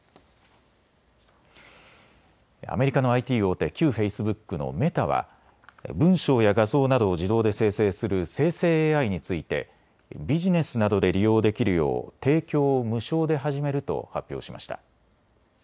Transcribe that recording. アメリカのＩＴ大手、旧フェイスブックのメタは文章や画像などを自動で生成する生成ＡＩについてビジネスなどで利用できるよう提供を無償で始めると発表しました。